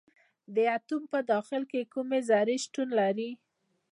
د اتوم په داخل کې کومې ذرې شتون لري.